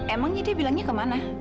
emang jadi dia bilangnya ke mana